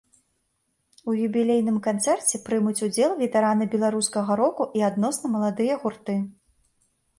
У юбілейным канцэрце прымуць удзел ветэраны беларускага року і адносна маладыя гурты.